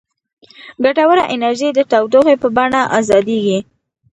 ګټوره انرژي د تودوخې په بڼه ازادیږي.